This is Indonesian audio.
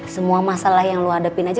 semua masalah yang lo hadapin aja